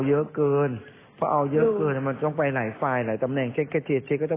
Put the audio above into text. ตอนนั้นน่ะกองกองสรราคเขาโทรมาคุยกับสรวจแล้ว